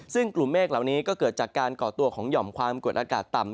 ซึ่งกลุ่มเมฆเหล่านี้ก็เกิดจากการก่อตัวของหย่อมความกดอากาศต่ำ